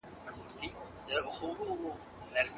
د تشناب پاکوالی هره ورځ وساتئ.